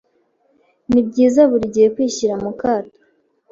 Ni byiza buri gihe kwishyira mu kato